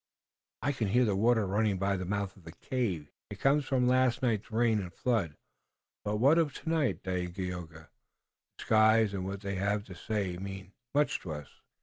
"I can hear the water running by the mouth of the cave," he said. "It comes from last night's rain and flood, but what of tonight, Dagaeoga? The skies and what they have to say mean much to us."